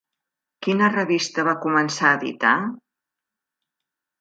Quina revista va començar a editar?